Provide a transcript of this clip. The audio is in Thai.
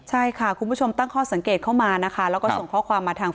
ใช่ค่ะคุณผู้ชมตั้งข้อสังเกตเข้ามานะคะแล้วก็ส่งข้อความมาทาง